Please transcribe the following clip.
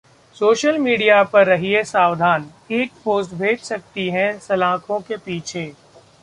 social media पर रहिए सावधान, एक पोस्ट भेज सकती है सलाखों के पीछे